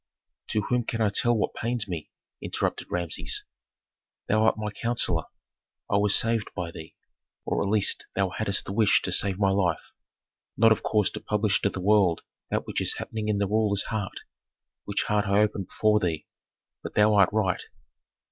"To whom can I tell what pains me?" interrupted Rameses. "Thou art my counsellor; I was saved by thee, or at least thou hadst the wish to save my life, not of course to publish to the world that which is happening in the ruler's heart, which heart I open before thee. But thou art right."